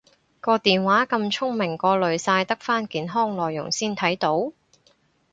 個電話咁聰明過濾晒得返健康內容先睇到？